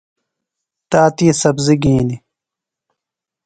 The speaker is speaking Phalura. تاتی سبزیۡ گِھنیۡ۔